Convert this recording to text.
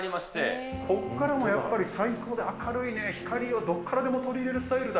ここからもやっぱり、採光で明るいね、光をどっからでも取り入れるスタイルだ。